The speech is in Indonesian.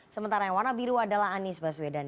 sementara yang warna biru adalah anies baswedan